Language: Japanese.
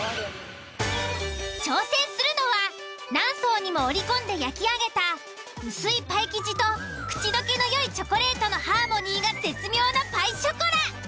挑戦するのは何層にも折り込んで焼き上げた薄いパイ生地と口どけのよいチョコレートのハーモニーが絶妙なパイショコラ。